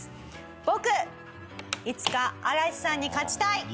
僕いつか嵐さんに勝ちたい。